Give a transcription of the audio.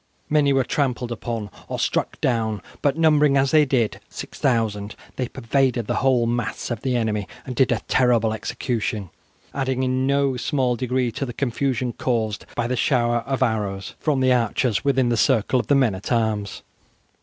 Many were trampled upon or struck down, but numbering, as they did, 6000, they pervaded the whole mass of the enemy, and did terrible execution, adding in no small degree to the confusion caused by the shower of arrows from the archers within the circle of the men at arms.